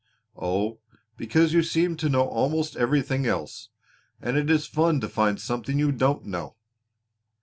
"Oh, because you seem to know almost everything else, and it is fun to find something you don't know."